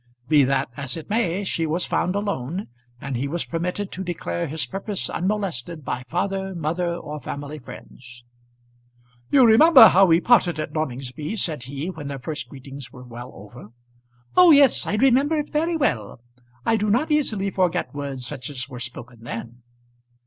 Be that as it may, she was found alone, and he was permitted to declare his purpose unmolested by father, mother, or family friends. "You remember how we parted at Noningsby," said he, when their first greetings were well over. "Oh, yes; I remember it very well. I do not easily forget words such as were spoken then."